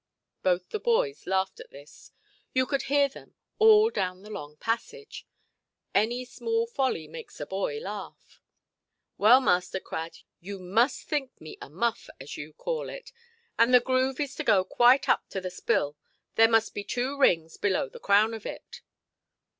Both the boys laughed at this; you could hear them all down the long passage. Any small folly makes a boy laugh. "Well, Master Crad, you must think me a 'muff', as you call it. And the groove is to go quite up to the spill; there must be two rings below the crown of it".